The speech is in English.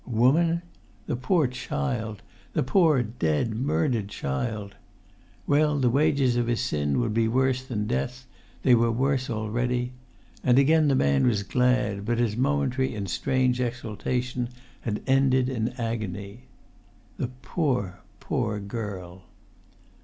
Woman? The poor child ... the poor, dead, murdered child ... Well! the wages of his sin would be worse than death; they were worse already. And again the man was glad; but his momentary and strange exultation had ended in an agony. The poor, poor girl